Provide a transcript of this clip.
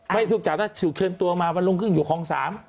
ไม่ถูกจับก็ถูกเชิญตัวมาวันลุงกึ้งอยู่คลอง๓